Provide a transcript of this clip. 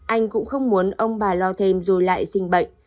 anh cũng không muốn ông bà lo thêm rồi lại sinh bệnh